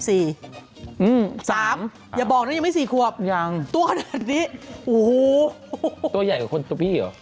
สามอย่าบอกนะยังไม่สี่ขวบยังตัวขนาดนี้โอ้โหตัวใหญ่กว่าคนตัวพี่เหรอ